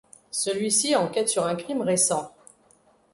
Celui-ci enquête sur un crime récent.